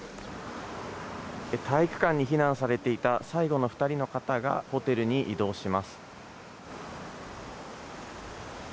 体育館に避難されていた最後の２人の方が、ホテルに移動します。